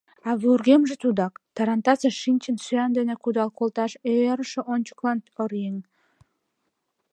А вургемже тудак: тарантасыш шинчын, сӱан дене кудал колташ йӧрышӧ ончыклык оръеҥ.